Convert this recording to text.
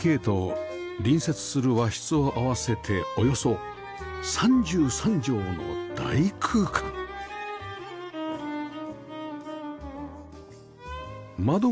ＬＤＫ と隣接する和室を合わせておよそ３３畳の大空間